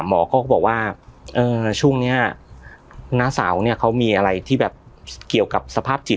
หมอก็บอกว่าช่วงนี้น้าสาวเนี่ยเขามีอะไรที่แบบเกี่ยวกับสภาพจิต